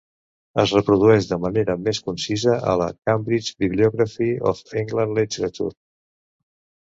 Es reprodueix de manera més concisa a la "Cambridge Bibliography of English Literature".